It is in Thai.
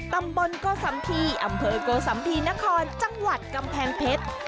ตำบลโกสัมภีร์อำเภอโกสัมภีนครจังหวัดกำแพงเพชร